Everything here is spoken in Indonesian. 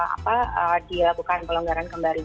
apa dia bukan kelonggaran kembali